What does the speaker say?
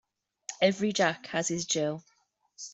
Every Jack has his Jill.